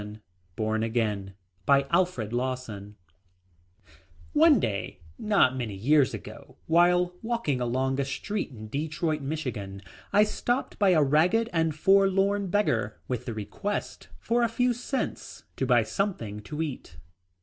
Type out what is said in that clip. com Born Again by Alfred Lawson DEDICATION One day, not many years ago, while walking along a street in Detroit, Michigan, I was stopped by a ragged and forlorn beggar, with the request for a few cents to buy something to eat.